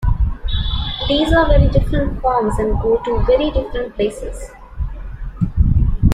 These are very different forms and go to very different places.